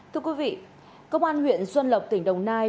thưa quý vị công an huyện xuân lộc tỉnh đồng nai